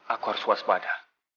aku harus waspada